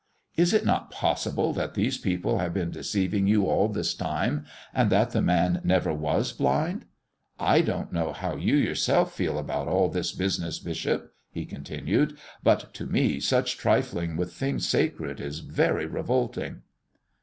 Is it not possible that these people have been deceiving you all this time, and that the man never was blind? I don't know how you yourself feel about all this business, bishop," he continued, "but to me such trifling with things sacred is very revolting."